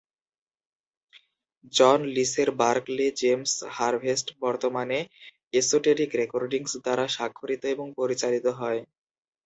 জন লিসের Barclay James Harvest বর্তমানে Esoteric Recordings দ্বারা স্বাক্ষরিত এবং পরিচালিত হয়।